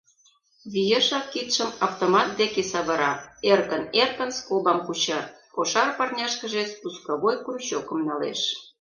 Виешак кидшым автомат деке савыра, эркын-эркын скобам куча, кошар парняшкыже спусковой крючокым налеш.